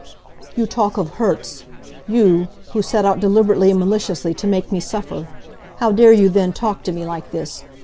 "You talk of hurts! You, who set out deliberately and maliciously to make me suffer! How dare you then talk to me like this!